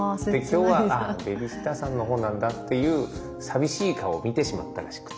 今日はベビーシッターさんのほうなんだっていう寂しい顔を見てしまったらしくて。